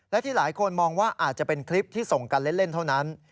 และที่หลายคนมองว่าอาจจะเป็นคลิปที่ส่งกันเล่นเท่านั้น